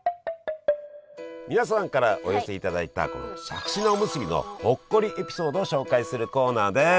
皆さんからお寄せいただいたこのしゃくし菜おむすびのほっこりエピソードを紹介するコーナーです！